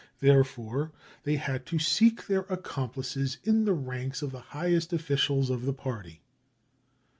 Therefore they had to seek their accomplices in the ranks of the highest officials of the party.